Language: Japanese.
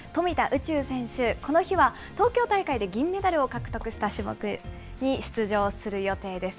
宇宙選手、この日は東京大会で銀メダルを獲得した種目に出場する予定です。